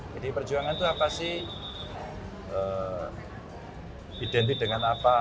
pdi perjuangan itu apa sih identik dengan apa